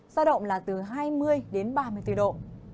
giao động là từ hai mươi đến ba mươi bốn độ